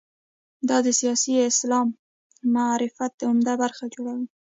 دا د سیاسي اسلام معرفت عمده برخه جوړوي.